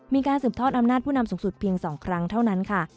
มีการสืบทอดอำนาจผู้นำสูงสุดเพียง๒ครั้งเท่านั้นค่ะ